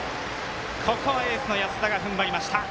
ここはエースの安田がふんばりました。